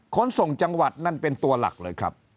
ขนส่งจังหวัดนั่นเป็นตัวหลักเลยครับ